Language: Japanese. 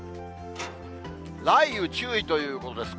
雷雨注意ということです。